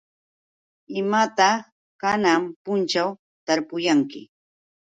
¿Imataq kanan punćhaw tarpuyanki?